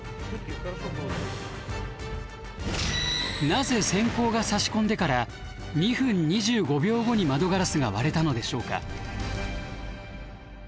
なぜせん光がさし込んでから２分２５秒後に窓ガラスが割れたのでしょうか？